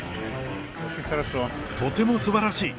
とてもすばらしい。